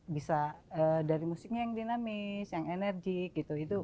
bisa dari musiknya yang dinamis yang enerjik gitu